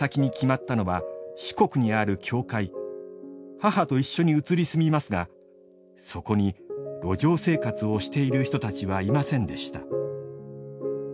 母と一緒に移り住みますがそこに路上生活をしている人たちはいませんでした。